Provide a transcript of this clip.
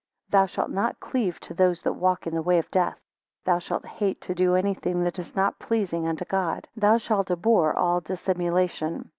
Thou shalt not cleave to those that walk in the way of death. Thou shalt hate to do anything that is not pleasing unto God. Thou shalt abhor all dissimulation.